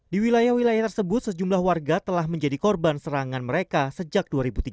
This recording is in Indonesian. di wilayah wilayah tersebut sejumlah warga telah menjadi korban serangan mereka sejak dua ribu tiga belas